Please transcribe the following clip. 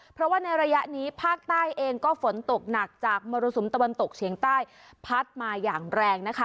เพราะว่าในระยะนี้ภาคใต้เองก็ฝนตกหนักจากมรสุมตะวันตกเฉียงใต้พัดมาอย่างแรงนะคะ